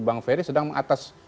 bang ferry sedang mengatas